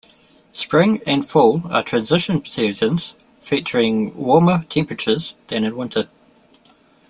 Spring and fall are transition seasons featuring warmer temperatures than in winter.